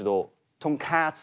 とんかつ。